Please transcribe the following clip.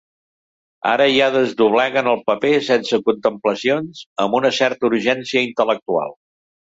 Ara ja desdobleguen el paper sense contemplacions, amb una certa urgència intel·lectual.